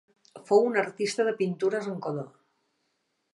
Fou un artista de pintures amb color.